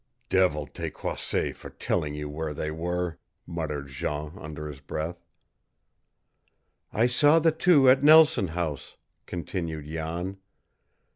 "Devil take Croisset for telling you where they were!" muttered Jean under his breath. "I saw the two at Nelson House," continued Jan.